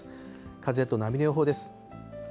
風と波の予報です。